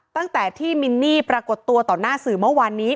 ตั้งแต่ที่มินนี่ปรากฏตัวต่อหน้าสื่อเมื่อวานนี้